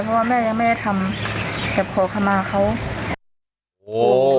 เพราะว่าแม่ยังไม่ได้ทำแอบขอขมาเขา